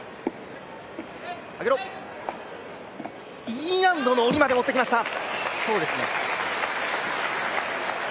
Ｅ難度の下りまで持ってきました。